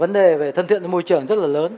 vấn đề về thân thiện với môi trường rất là lớn